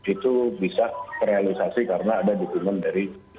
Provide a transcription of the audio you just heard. itu bisa terrealisasi karena ada dukungan dari